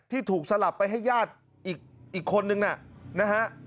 ที่ถูกสลับไปให้ญาติอีกคนนึงนะฮะ